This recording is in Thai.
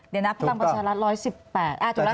เดี๋ยวนะพระตังค์ประชาลรัฐ๑๑๘